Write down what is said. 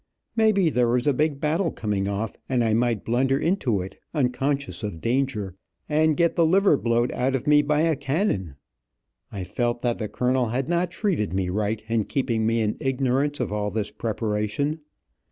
May be there was a big battle coming off, and I might blunder into it unconscious of danger, and: get the liver blowed out of me by a cannon. I felt that the colonel had not treated me right in keeping me in ignorance of all this preparation.